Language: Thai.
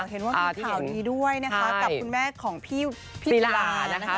เห็นว่ามีข่าวดีด้วยนะคะกับคุณแม่ของพี่ปลานะคะ